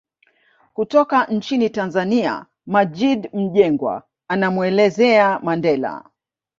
Kutoka nchini Tanzania Maggid Mjengwa anamuelezea Mandela